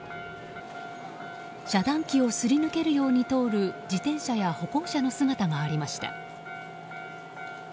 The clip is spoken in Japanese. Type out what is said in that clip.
遮断機をすり抜けるように通る自転車や歩行者の姿がありました。